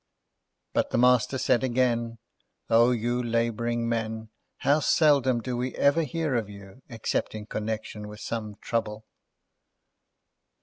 But the Master said again, "O you labouring men! How seldom do we ever hear of you, except in connection with some trouble!"